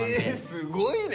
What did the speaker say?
すごいね！